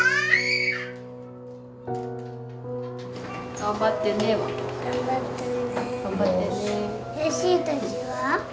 「頑張ってね」は？頑張ってね。